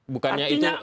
bukannya itu tindak